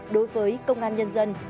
đối với công an nhân dân